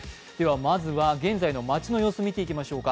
まずは現在の街の様子、見ていきましょうか。